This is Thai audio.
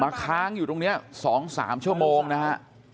ค้างอยู่ตรงนี้๒๓ชั่วโมงนะฮะ